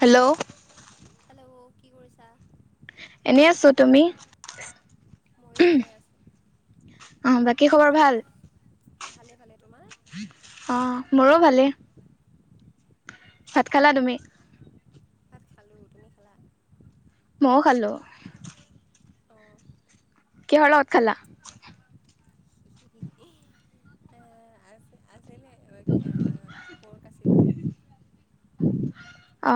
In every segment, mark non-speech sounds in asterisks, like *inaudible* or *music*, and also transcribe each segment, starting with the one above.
Hello hello কি কৰিছে এনেই আছো তুমি? ময়ো এনেই আছোঁ। অ বাকী ভাত খবৰ খালা? ভাল ভালে ভালে। তোমাৰ? অ মোৰো ভালেই ভাত খালা তুমি? ভাত খালোঁ। তুমি খালা? মও খালো। অঁ। কিহৰ লগত খালা আ আ অ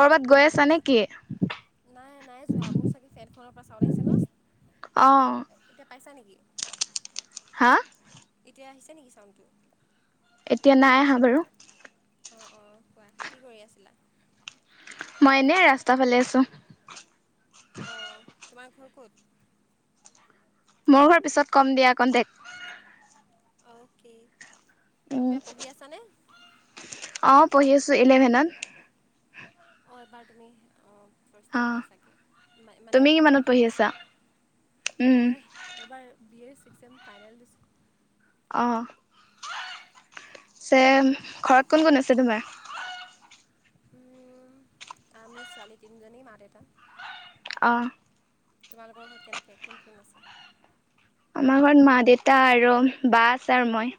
কৰবাত কালিয়ে গৈ আছা নে বনাইছোঁ। কি? নাই নাই যোৱা মোৰ চাগে ফেন খনৰ পৰা চাউন আহিছে ন, অ এতিয়া পাইছা নেকি হা এতিয়া আহিছে নেকি চাউণ্ড টো এতিয়া নাই আহা বাৰু অ অ কোৱা কি কৰি আছিলা? মই এনে ৰাস্তা ফালে আছো। অঁ তোমাৰ ঘৰ ক'ত মোৰ ঘৰ পিছত কম দিয়া কনটেক অক কিবা পঢ়ি আছ নে? অঁ পঢ়ি আছোঁ ইলেভেনত বাৰ তুমি ফাৰ্ষ্ট ইয়েৰ অঁ পাইছাগৈ মানে তুমি এবাৰ কিমানত মেট্ৰিক পঢ়ি আছা দিছা? মই এবাৰ B A six sem final দিছোঁ অ যে ঘৰত কোন কোন আছে তোমাৰ? উম আমি ছোৱালী তিনিজনী মা দেতা অ তোমালোকৰ ঘৰত কেনেকে কোন কোন আছে? আমাৰ ঘৰত মা দেউতা আৰু বা আছে আৰু মই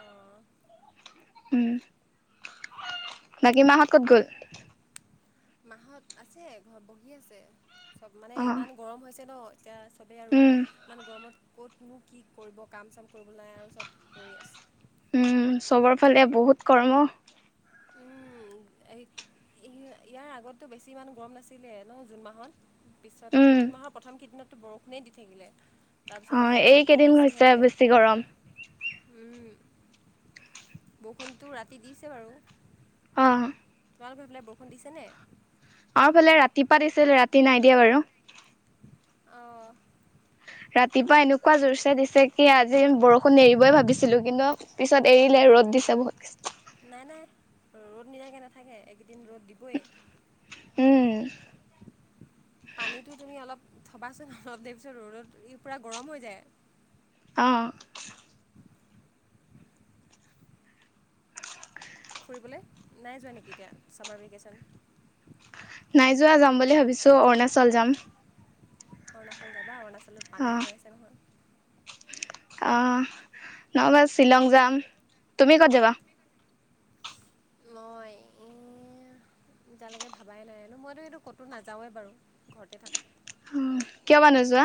অঁ উম বাকি মা হ কত গ'ল? মাহত আছে ঘৰত বহি আছে চব মানে অঁ ইমান গৰম হৈছে ন এতিয়া চবেই আৰু উম, মানে গৰমত ক'তনো কি কৰিব কাম চাম কৰি পেলাই আৰু চব পৰি আছে উম চবৰ ফালে বহুত কৰ্ম উম ইয়াৰ আগততো বেছি ইমান গৰম নাছিলে ন জুন মাহত পিছত উম, জুন মাহৰ প্ৰথম কেইদিনতো বৰষুণেই দি থাকিলে তাৰ পিছত অ', লাহেকে ৰ'দটো এইকেইদিন হৈছে দিছেহে এতিয়া বেছি গৰম উম বৰষুণতটো ৰাতি দিছে বাৰু অ তোমালোকৰ সেইফালে বৰষুণ দিছেনে আৰুফালে ৰাতিপুৱা দিছিল ৰাতি নাই দিয়া বাৰু আহ ৰাতিপুৱা এনেকুৱা জোৰ চে দিছে কি আজি বৰষুণ এৰিবই ভাবিছিলো কিন্তু পিছত এৰিলে ৰ তত দিছে বহুতষ্ট। নাই নাই ৰ'দ নিদাকে নাথাকে এই দিন ৰ'দ দিবই। উম, পানীটো তুমি অলপ থবাচোন অলপ দেৰি পিছত ৰ'দত পুৰা গৰম হৈ যায়। অ। ফুৰিবলে নাই যোৱা নেকি এতিয়া চামাৰ ভিকেশন। নাই যোৱা যাম বুলি ভাবিছো অৰুণাচল যাম অৰুণাচল যাবা অৰুণাচলত পানী হৈ আছে নহয় আহ নহবা শ্বিলং যাম তুমি ক'ত যাবা নিজালৈকে ভাবাই নাই মইতো এইটো ক'তো নাযাওৱে বাৰু ঘৰতে থাকো অ', কিয় বা নোযোৱা।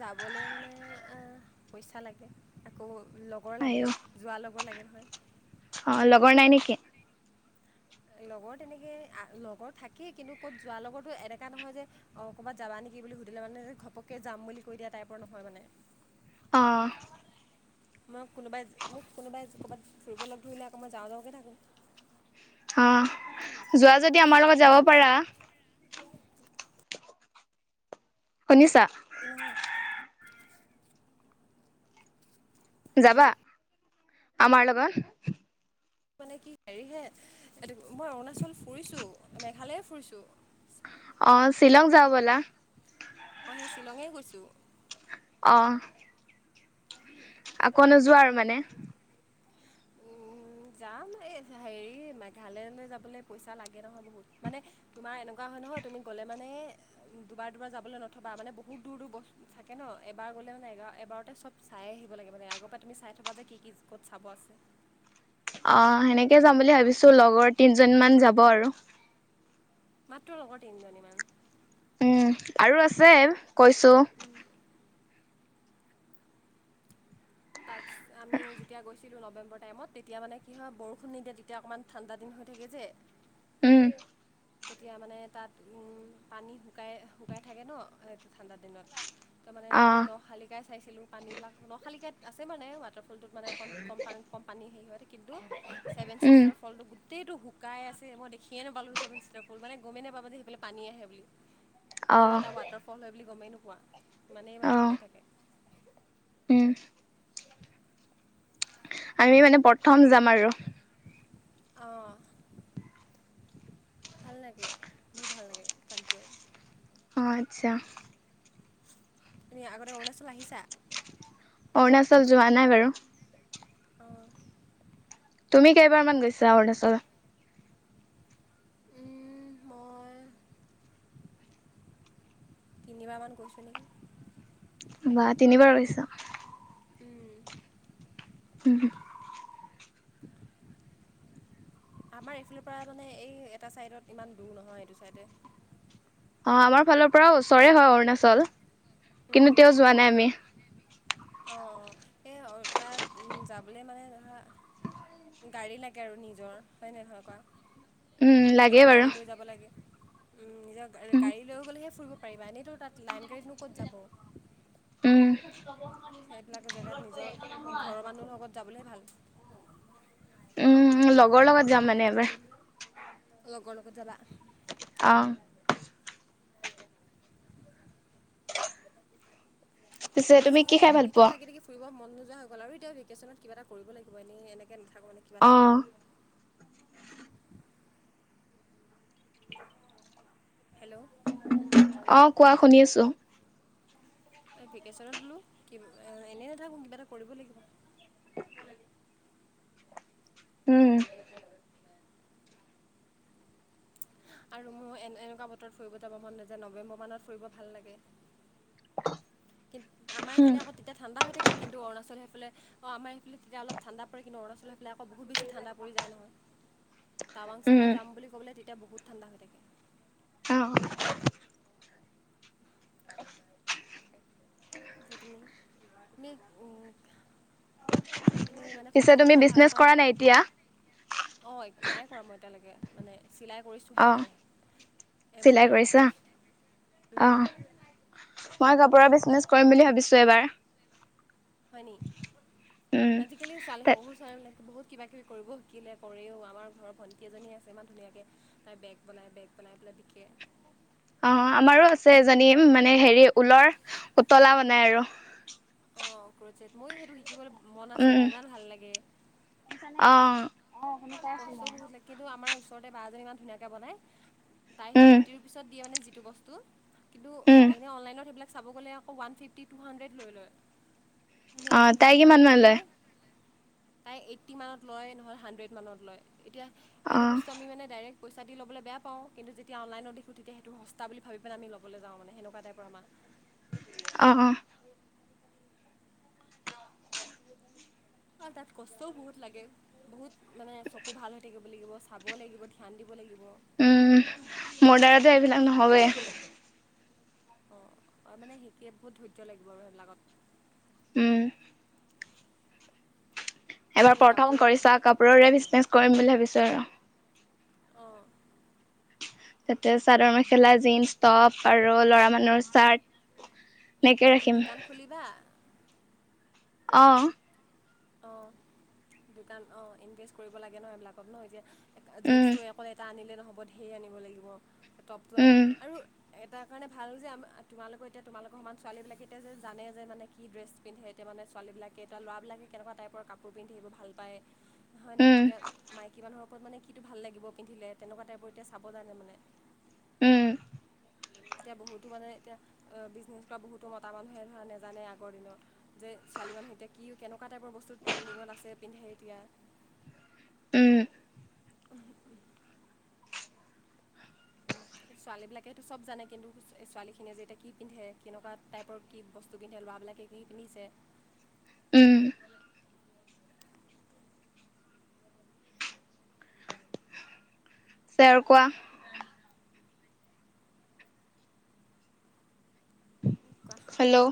যাবলে মানে আহ পইচা লাগে আকৌ লগৰ লাগে আইও যোৱা লগত লাগিল হয় অ লগৰ নাই নেকি লগৰ তেনেকে লগৰ থাকেই কিন্তু ক'ত যোৱাৰ লগৰো এনেকা নহয় যে অ কৰ'বাত যাবা নেকি কি বুলি সুধিলে মানে ঘপকে যাম বুলি কৈ দিয়া টাইপৰ নহয় মানে আহ মই কোনোবাই মোক কোনোবাই ক'ৰবাত ফুৰিব লগ ধৰিলে আকৌ মই যাওঁ যাওঁকৈ থাকোঁ অ যোৱা যদি আমাৰ লগত যাব পাৰা শুনিছা নহয় যাবা আমাৰ লগত মানে কি হেৰিহে মই অৰুণাচল ফুৰিছোঁ মেঘালয়ে ফুৰিছোঁ অ শ্বিলং যাও বলা অ সেই শ্বিলঙে কৈছোঁ অ আকৌ নোযোৱা আৰু মানে? উম। যাম এই হেৰি মেঘালয়লৈ যাবলৈ পইচা লাগে নহয় বহুত মানে তোমাৰ এনেকুৱা হয় নহয় তুমি গ'লে মানে দুবাৰ দুবাৰ যাবলৈ নথবা মানে বহুত দূৰ দূৰ থাকে ন এবাৰ গ'লে মানে এবাৰ এবাৰতে চব চাই আহিব লাগে মানে আগৰ পৰা তুমি চাই থবা যে কি কি ক'ত চাব আছে? অ সেনেকে যাম বুলি ভাবিছো লগৰ তিনিজন মান যাব আৰু। মাত্ৰ লগৰ তিনিজনীমান? উম আৰু আছে কৈছো। তাত আমি যেতিয়া গৈছিলো ন নৱেম্বৰ টাইমত তেতিয়া মানে কি হয় বৰষুণ নিদিয়ে তেতিয়া অকণমান ঠাণ্ডা দিন হৈ থাকে যে। উম। তেতিয়া মানে তাত উম পানী শুকাই -শুকাই থাকে ন ঠাণ্ডা দিনত, ত মানে অ আমি ন শালিকাই চাইছিলো পানীবিলাক ন শালিকাত আছে মানে ম ৱাটাৰ ফলটোত মানে অকণ কম পানী কম পানী হেৰি হয় কিন্তু ছেভেন উম চিষ্টাৰ ফলটো গোট গোটেইটো শুকাই আছে মই দেখিয়ে নাপালো যে ছেভেন চিষ্টাৰ ফল মানে গমেই নাপামো যে সেইফাল পানী আহে বুলি। সেইটো অ যে এটা ৱাটাৰফল হয় বুলি গমেই নোপোৱা, ইমানেই মানে অ শুকাই থাকে। উম। আমি মানে প্ৰথম যাম আৰু। অঁ। ভাল লাগে বোৰ ভাল লাগে তাত গৈ। অ আচ্ছা। তুমি আগতে অৰুণাচল আহিছা? অৰুণাচল যোৱা নাই বাৰু? অঁ তুমি কেইবাৰ মান গৈছা অৰুণাচলত? মই তিনিবাৰ মান গৈছো নেকি। বা তিনিবাৰ গৈছা উম, উম। *unintelligible* আমাৰ এইফালৰ পৰা মানে এই এটা চাইডত ইমান দূৰ নহয় এইটো চাইডে। অ আমাৰ ফালৰ পৰা ওচৰে হয় অৰুণাচল কিন্তু তেও যোৱা নাই আমি। অঁ অঁ এই তাত যাবলৈ মানে ধৰা গাড়ী লাগে আৰু নিজৰ হয় নাই হয় কোৱা? উম নিজৰ লাগে বাৰু গাড়ী লৈ যাব লাগে। উম, নিজৰ গা - উম গাড়ী লৈ গ'লেহে ফুৰিব পাৰিবা, এনেইটো তাত লাইন গাড়ীতনো ক'ত যাব। উম সেইবিলাক জেগাত নিজৰ ঘৰৰ মানুহৰ লগত যাবলৈ ভাল। উম লগৰ লগত যাম মানে এবাৰ। লগৰ লগত যাবা? অ', পিছে তুমি কি আজিকালি খাই মানে ভাল ভিতৰত পোৱা? থাকি থাকি ফুৰিব মন নোযোৱা হৈ গ'ল আৰু এতিয়া ভিকেশ্যনত কিবা এটা কৰিব লাগিব। এনে এনে কে নাথাকো মানে কিবা এটা কৰিম। অ', হেল্ল'? অ কোৱা, শুনি আছো? ভিকেশনত বোলো কিব এনে নাথাকোঁ, কিবা এটা কৰিব লাগিব। উম। আৰু মোৰ এনে এনেকুৱা বতৰত ফুৰিব যাব মন নাযায়, নৱেম্বৰ মানত ফুৰিব ভাল লাগে। কিন আমাৰ উম। এইফালে আকৌ তেতিয়া ঠাণ্ডা হৈ থাকে। কিন্তু অৰুণাচল সেইফালে আমাৰ সেইফালে তেতিয়া অলপ ঠাণ্ডা পৰে। কিন্তু অৰুণাচল এইফালে আকৌ বহুত বেছি ঠাণ্ডা পৰি যায় নহয়। টাৱাং চাৱাং উম, যাম বুলি ক'বলে তেতিয়া বহুত ঠাণ্ডা হৈ থাকে অ', য তুমি নি উম পিছে তুমি বিজনেচ কৰা নাই এতিয়া? অঁ নাই কৰা মই এতিয়ালৈকে মানে চিলাই কৰিছোঁ অ', হে। চিলাই কৰিছা। অহ মই ক পুৰা বিচনেছ কৰিম বুলি ভাবিছো এবাৰ। হয় নি। উম, আজিকালি ছোৱালী হও হও ছোৱালী বহুত কিবা কিবি কৰিব শিকিলে, কৰেও। আমাৰ ঘৰৰ ভণ্টি এজনী আছে ইমান ধুনীয়াকৈ তাই বেগ বনাই, বেগ বনাই পেলাই গতিকে অ আমাৰো আছে এজনী মানে হেৰি ঊলৰ পুতলা বনাই আৰু অ। ময়ো সেইটো শিকিবলে মন আছে উম, মানে ইমান ভাল লাগে। অ', কষ্ট বহুত লাগে। কিন্তু আমাৰ ওচৰতে বা জনী ইমান ধুনীয়াকে বনায়। তাই সেইটো উম, এইটি ৰুপিচত দিয়ে মানে যিটো বস্তু। কিন্তু উম, এনে অনলাইনত সেবিলাক চাব গ'লে আকৌ ওৱান ফিফটি, টু হাণ্ড্ৰেড লৈ লয়। মানে অ', কিন্তু তাই আমি কিমান মানে মান কি লয়? হয় তাই এইটী মানত লয় নহয় হান্দ্ৰেড মানত লয়। এতিয়া সেইটো অ', বস্তু আমি মানে ডাইৰেক্ট পইচা দি ল'বলে বেয়া পাওঁ। কিন্তু যেতিয়া অনলাইনত দেখো তেতিয়া সেইটো সস্তা বুলি ভাবি পেলাই আমি ল'বলে যাও মানে সেনেকুৱা টাইপৰ আমা। অহ অঃ। অ তাত কষ্টও বহুত লাগে বহুত মানে চকু ভাল হৈ থাকিব লাগিব। চাব লাগিব, ধ্যান দিব লাগিব। উম মোৰ দ্বাৰাটো এইবিলাক নহবই। অ আৰু মানে সেকে বহুত ধৈৰ্য লাগিব আৰু সেইবিলাকত। উম। এবাৰ তুমি প্ৰথম কাপোৰ কৰিছা। কাপোৰৰে বিচনেছ কৰিম বুলি ভাবিছো আৰু। অঁ তাতে চাদৰ মেখেলা, জীন্স, টপ আৰু ল'ৰা মানুহৰ চাৰ্ট। এনেকে তুমি ৰাখিম। দোকান খুলিবা? অ। অ দোকান অ ইনভেষ্ট কৰিব লাগে ন এইবিলাকত ন এতিয়া। উম, জিনন্সটো অকলে এটা আনিলে নহ'ব ধেই আনিব লাগিব টপটোৱে উম, আৰু এটা কাৰণে ভাল যে আম তোমালোকৰ এতিয়া তোমা লোকৰ সমান ছোৱালী বিলাকে এতিয়া যে জানে যোনে কি ড্ৰেছ পিন্ধে এতিয়া মানে ছোৱালী এতিয়া ল'ৰাবিলাকে কেনেকুৱা টাইপৰ কাপোৰ পিন্ধিব ভাল পায় হয় নে উম, এতিয়া মাইকী মানুহৰ পত মানে কিটো ভাল লাগিব পিন্ধিলে তেনেকুৱা টাইপৰ এতিয়া চাব জানে মানে উম এতিয়া বহুতো মানে এতিয়া বিজনেছ কৰা বহুতো মতা মানুহে ধৰা নেজানে আগৰ দিনৰ যে ছোৱালী মানুহৰ এতিয়া কি কেনেকুৱা টাইপৰ বস্তু ট্ৰেনণ্ডিঙত আছে পিন্ধে এতিয়া। উম ছোৱালী বিলাকেতো চব জানে কিন্তু ছোৱালীখিনিয়ে যে এতিয়া কি পিন্ধে কেনেকুৱা টাইপৰ কি বস্তু পিন্ধে লৰা বিলাকে কি পিন্ধিছে। উম চ আৰু কোৱা কোৱা হেল্ল',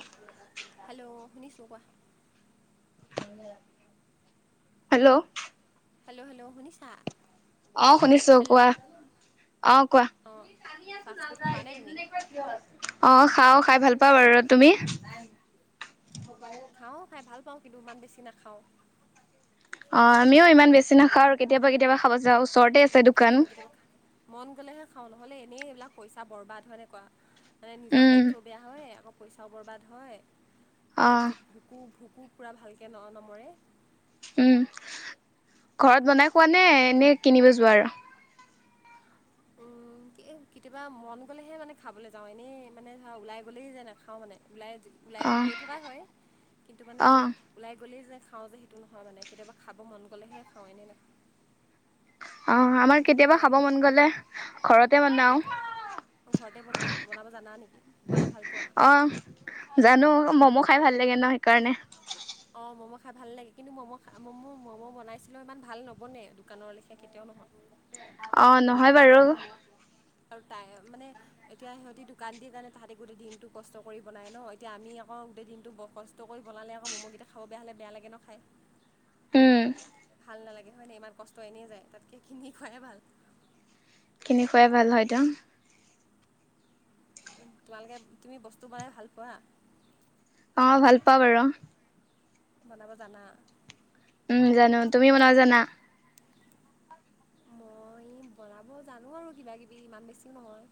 হেল্ল' শুনিছো কোৱা হেল্ল' হেল্ল' হেল্ল শুনিছা অ শুনিছো হেল্ল' কোৱা অ কোৱা অঁ খুৰিক টানি আছোঁ ফাষ্টফুড নেযায় খোৱা নে তুমি এনেকৈ ঠিঅ হৈছে। অ খাওঁ খাই ভাল পাওঁ বাৰু তুমি খাওঁ খাই ভাল পাওঁ কিন্তু ইমান বেছি নাখাওঁ অ আমিও ইমান বেছি নাখাওঁ আৰু কেতিয়াবা কেতিয়াবা খাব যাওঁ ওচৰতে আছে দোকান কেতিয়াবা কেতিয়াবা খা- মন গ'লেহে খাওঁ নহ'লে এনেই এইবিলাক পইচা বৰবাদ হয় নে কোৱা মানে নিজৰ উম, হেল্থো বেয়া হয় আকৌ পইচাও বৰবাদ হয়। অ', তাৰপিছত ভুকো ভুকো পুৰা ভালকে ন নমৰে উম ঘৰত বনাই খোৱা নে এনে কিনিব যোৱা আৰু উম এই কেতিয়াবা মন গ'লেহে মানে খাবলৈ যাওঁ এনেই মানে ধৰা ওলাই গ'লেই যায় নাখাওঁ মানে ওলাই ওলাইতো অ', গৈ থকা হয় কিন্তু মানে যে অ', ওলাই গ'লেই যে। খাওঁ যে সেইটো নহয় মানে কেতিয়াবা খাব মন গ'লেহে খাওঁ এনেই নাখাওঁ। অ আমাৰ তেনেকৈ কেতিয়াবা খাব মন গলে ঘৰতে বনাও ঘৰতে বনোৱা বনাব জানা নেকি বনাই ভাল পোৱা। অ', জানো ম'ম' খাই ভাল লাগে ন সেইকাৰণে অ ম'ম' খাই ভাল লাগে কিন্তু ম'ম' খ মম' ম'ম' বনাইছিলো ইমান ভাল নবনে দোকানৰ লেখা কেতিয়াও নহয়। অ নহয় বাৰু আৰু তাই মানে এতিয়া সিহঁতি দোকান দি কাৰণে তাহাঁতে গোট দিনটো কষ্ট কৰি বনাই ন এতিয়া আমি আক অ গোটেই দিনটো বৰ কষ্ট কৰি বনালে আকৌ ম'ম'কেইটা খাব বেয়া হ'লে বেয়া লাগে ন খায়। উম, ভাল নালাগে হয় ন ইমান কষ্ট এনেই যায় তাতকে খিনি খুৱাই ভাল। কিনি খুৱাই ভাল হয়টো। তোমালোকে তুমি বস্তু বনাই ভাল পোৱা। অ ভাল পাওঁ বাৰু বনাব জানা। উম জানো তুমি বনাব জানা। মই বনাব জানো আৰু কিবা কিবি ইমান বেছিও নহয়।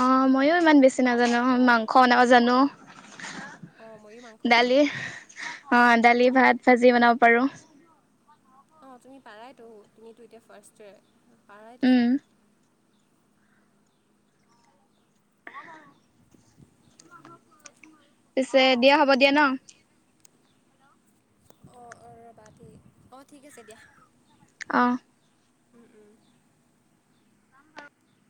অ মইও ইমান বেছি নাজানো মাংস বনাব জানো। অঁ ময়ো মাংস ডালি বনাওঁ অ। দালি, ভাত, ভাজি বনাব পাৰো। অ তুমি পাৰাইতো তুমিতো এতিয়া ফাৰ্ষ্ট পাৰাইতো উম, চব। পিছে দিয়া হ'ব দিয়া ন। অ অ ৰ'বা দেই অ ঠিক আছে দিয়া। অ।